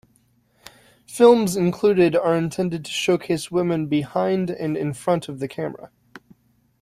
Films included are intended to showcase women behind and in front of the camera.